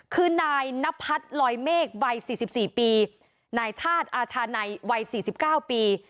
คือนายนพัฒน์ลอยเมฆวัย๔๔ปีนายธาตุอาชาในวัย๔๙ปี